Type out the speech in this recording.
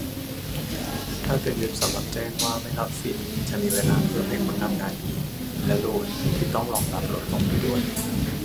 ถ้าเป็นเว็บสำหรับแจ้งว่าไม่รับสิทธิ์ จะมีเวลาเพิ่มให้คนทำงานอีก และโหลดที่ต้องรองรับลดลงไปด้วย